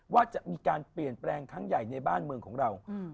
ว่าจะมีการเปลี่ยนแปลงครั้งใหญ่ในบ้านเมืองของเรา